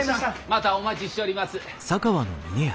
またお待ちしちょります。